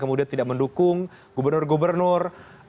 kemudian tidak mendukung gubernur gubernur